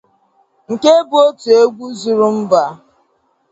Nke bụ otu egwu zuru mba.